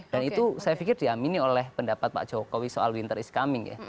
dan itu saya pikir diamini oleh pendapat pak jokowi soal winter is coming ya